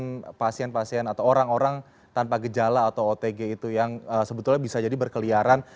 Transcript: dengan pasien pasien atau orang orang tanpa gejala atau otg itu yang sebetulnya bisa jadi berkeliaran